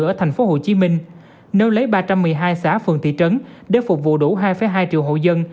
ở tp hcm nếu lấy ba trăm một mươi hai xã phường thị trấn để phục vụ đủ hai hai triệu hộ dân